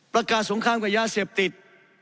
ประกาศสงครามกับยาเสพติด